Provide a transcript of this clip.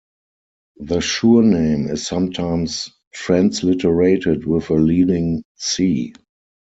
The surname is sometimes transliterated with a leading "C".